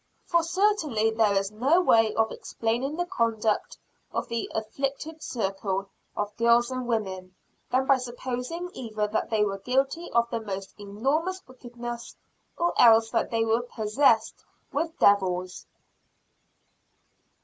For certainly there is no way of explaining the conduct of the "afflicted circle" of girls and women, than by supposing either that they were guilty of the most enormous wickedness, or else that they were "possessed with devils."